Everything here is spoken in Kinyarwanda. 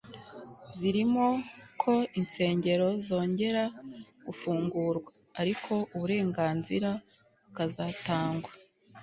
zirimo ko insengero zongera gufungurwa ariko uburenganzira bukazatangwa